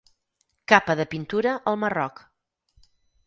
Capa de pintura al Marroc.